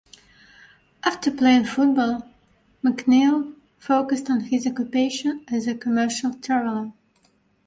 After playing football, McNeil focused on his occupation as a commercial traveller.